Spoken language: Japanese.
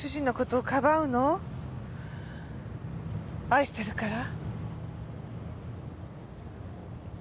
愛してるから？